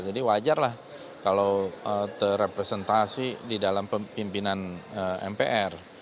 jadi wajar lah kalau terrepresentasi di dalam pimpinan mpr